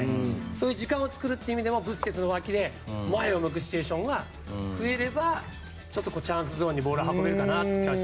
そういう時間を作るという意味でもブスケツの脇で前を向くシチュエーションが増えればちょっとチャンスゾーンにボールを運べるかなという。